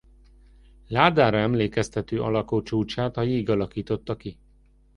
Ládára emlékeztető alakú csúcsát a jég alakította ki.